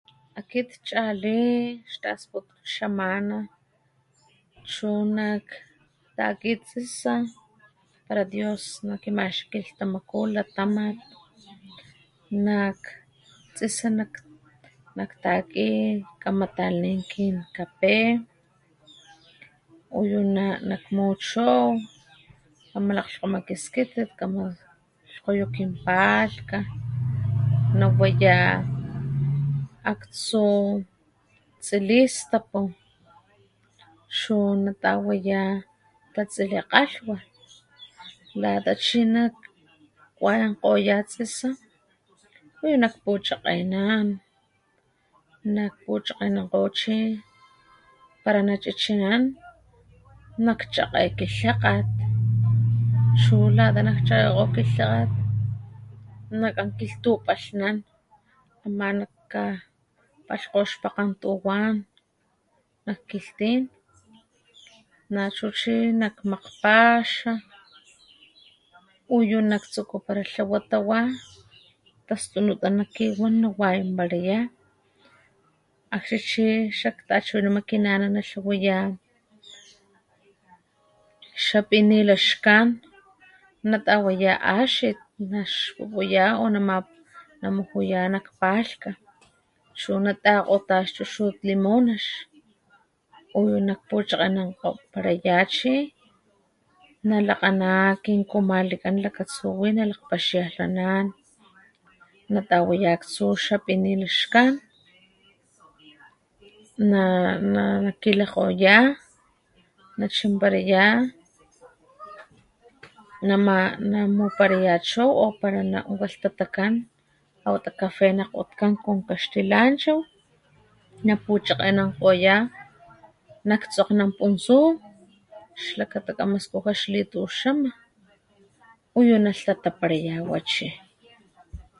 Akit chali xtasputut xamana chu nak taki tsisa para Dios nakimaxki kilhtamaku latamat nak tsisa nak taki kama talin kin kapé uyu na nakmu chow kama lakglhkgoma ki skitit kama lhkgoyo kin palhka nawaya aktsu tsilistapu chu natawaya tatsili kgalhwat lata chi nak kuayankgoya tsisa uyu nak puchakgenan nak puchakgenankgo chi para na chi'chinan nak chakge kilhakgat chu lata nak chakgekgo kilhakgat nakan kilhtupalhnan ama nak kapalhkgo ixpakgan tuwan nak kilhtin nachu chi nak makgpaxa uyu nak tsukupara tlawa tawa tastunuta na kiwan nawayanparaya akxni chi xak tachiwinama kinana natlawaya xa pinila xkan natawaya axit naxpupuya o na namujuya nak palhkga chu natakgota ix chuchut limunax uyu nakpuchakgenankgoparaya chi nalakgana kin kumalikan lakatsu wi nalakg paxialhnana natawaya akstu xa pinila xkan na nakilakgoya nachinparaya nama namuparaya chow o para na walhtatakan wata kapé na kgotkan con kaxtilanchaw napuchakgenankgoya nak tsokgnan puntsu xkakata kama skuja xlituxama uyu nalh tataparaya chi.